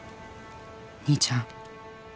「兄ちゃん」